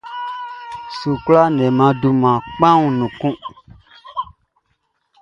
Sukula leman dunman kpanwun nun kun.